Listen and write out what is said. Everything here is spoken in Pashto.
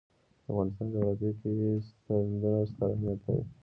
د افغانستان جغرافیه کې سیندونه ستر اهمیت لري.